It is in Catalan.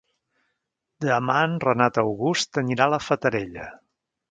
Demà en Renat August anirà a la Fatarella.